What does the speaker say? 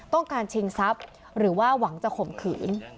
ต้องการชิงทรัพย์หรือว่าหวังจะข่มขืน